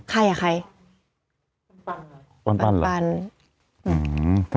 ใครอ่ะใคร